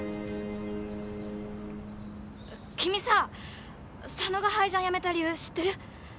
君さ佐野がハイジャンやめた理由知ってる？